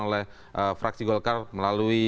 oleh fraksi golkar melalui